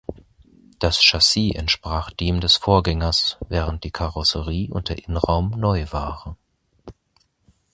Das Chassis entsprach dem des Vorgängers, während die Karosserie und der Innenraum neu waren.